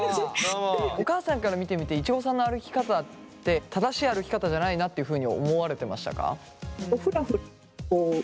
お母さんから見てみていちごさんの歩き方って正しい歩き方じゃないなっていうふうに思われてましたか？